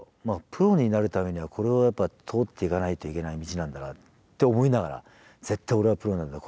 プロになるためにはこれはやっぱ通っていかないといけない道なんだなって思いながら絶対俺はプロになるんだ